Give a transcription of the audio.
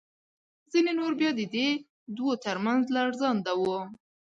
ځینې نور بیا د دې دوو تر منځ لړزانده وو.